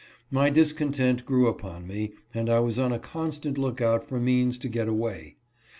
My discontent grew upon me, and I was on a con stant look out for means to get away.